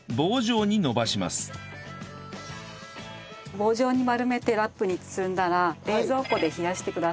棒状に丸めてラップに包んだら冷蔵庫で冷やしてください。